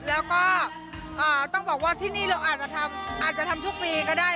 แล้วก็ต้องบอกว่าที่นี่เราอาจจะทำอาจจะทำทุกปีก็ได้